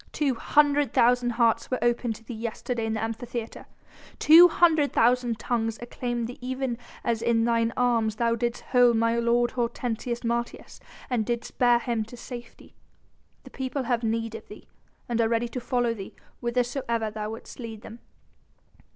Two hundred thousand hearts were opened to thee yesterday in the Amphitheatre! Two hundred thousand tongues acclaimed thee even as in thine arms thou didst hold my lord Hortensius Martius and didst bear him into safety. The people have need of thee, and are ready to follow thee whithersoever thou wouldst lead them.